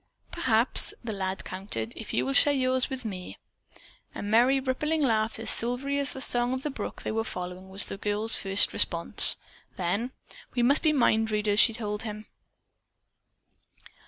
"Perhaps," the lad countered, "if you will share yours with me." A merry, rippling laugh, as silvery as the song of the brook they were following, was the girl's first response. Then, "We must be mind readers," she told him.